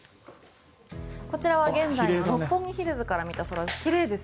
こちらは現在の六本木ヒルズから見た空です。